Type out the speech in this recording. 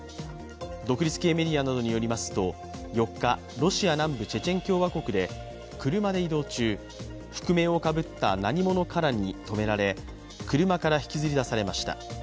独立系メディアなどによりますと４日ロシア南部チェチェン共和国で車で移動中覆面をかぶった何者からに止められ、車から引きずり出されました。